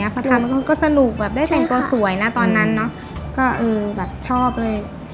จะให้เสดงตัวสวยชอบเลย